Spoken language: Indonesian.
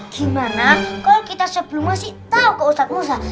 gimana kalau kita sebelumnya sih tau ke ustadz musa